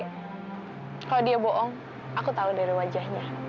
kalau dia bohong aku tahu dari wajahnya